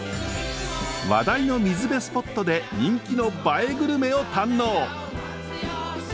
話題の水辺スポットで人気の「映えグルメ」を堪能。